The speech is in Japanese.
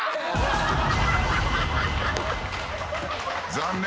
残念。